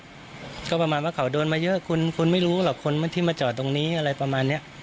ก็ประมาณว่าเขาโดนมาเยอะคุณคุณไม่รู้หรอกคนที่มาจอดตรงนี้อะไรประมาณเนี้ย